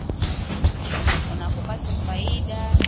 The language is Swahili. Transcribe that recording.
Unapo pata faida kukitu shikiliya